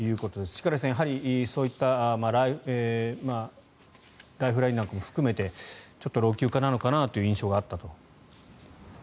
力石さん、やはりそういったライフラインなんかも含めてちょっと老朽化なのかなという印象があったと。